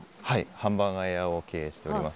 ハンバーガー屋を経営しております。